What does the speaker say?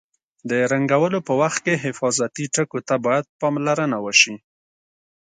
د رنګولو په وخت کې حفاظتي ټکو ته باید پاملرنه وشي.